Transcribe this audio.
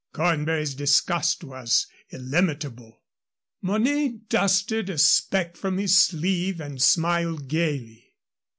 Cornbury's disgust was illimitable. Mornay dusted a speck from his sleeve and smiled gayly.